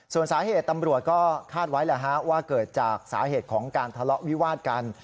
ส่วนสาเหตุตำรวจก็คาดไว้ว่าเกิดจากสาเหตุของการทะเลาะวิวาดกัน